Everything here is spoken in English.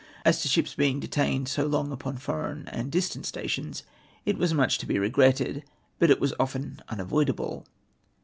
As to ships being detained so long upon foreign and distant stations, it was much to be regretted, but it was often un avoidable."